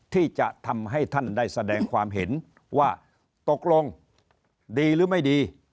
ที่จะทำให้ท่านได้แสดงความเห็นว่าตกลงดีหรือไม่ดี